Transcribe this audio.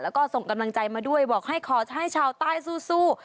แล้วก็ส่งกำลังใจมาด้วยบอกให้ขอให้ชาวใต้สู้